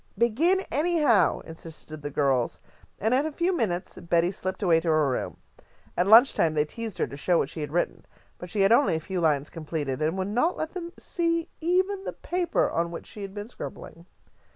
"Begin, anyhow!" insisted the girls, and in a few minutes Betty slipped away to her room. At lunch time they teased her to show them what she had written, but she had only a few lines completed, and would not let them see even the paper on which she had been scribbling.